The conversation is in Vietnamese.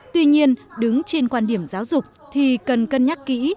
tuy nhiên đứng trên quan điểm giáo dục thì cần cân nhắc kỹ